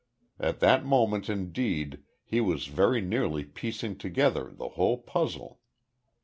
At that moment indeed he was very nearly piecing together the whole puzzle.